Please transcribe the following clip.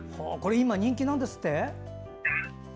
今、人気なんですって？